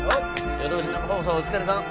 夜通し生放送お疲れさん。